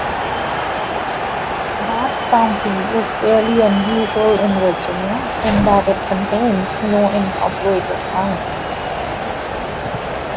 Bath County is fairly unusual in Virginia in that it contains no incorporated towns.